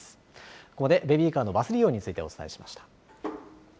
ここまでベビーカーのバス利用についてお伝えしました。